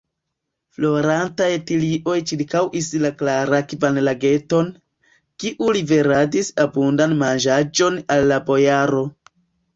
Florantaj tilioj ĉirkaŭis la klarakvan lageton, kiu liveradis abundan manĝaĵon al la bojaro.